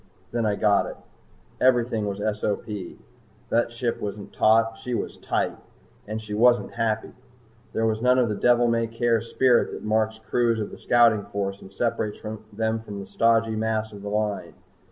Then I got it. Everything was SOP. The ship wasn't taut, she was tight! And she wasn't happy. There was none of the devil may care spirit that marks crews in the Scouting Force and separates them from the stodgy mass of the Line.